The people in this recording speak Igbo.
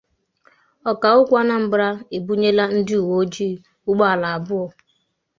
Ọkaokwu Anambra Ebunyela Ndị Uweojii Ụgbọala Abụọ